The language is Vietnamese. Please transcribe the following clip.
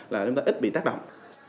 là chúng ta ít bị tác động